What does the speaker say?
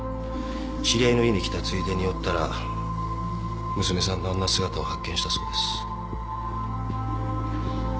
知り合いの家に来たついでに寄ったら娘さんのあんな姿を発見したそうです。